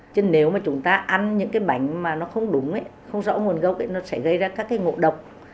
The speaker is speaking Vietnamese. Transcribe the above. chứ nếu mà chúng ta ăn những cái bánh mà nó không đúng không rõ nguồn gốc ấy nó sẽ gây ra các cái ngộ độc